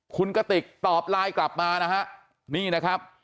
คุณกติกตอบไลน์กลับมานะฮะนี่นะครับ